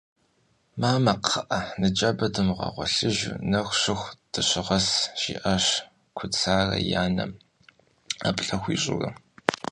«Мамэ, кхъыӏэ, ныжэбэ дымыгъуэлъыжу, нэху щыху дыщыгъэс» жиӏащ Кӏурацэ и анэм ӏэплӏэ хуищӏурэ.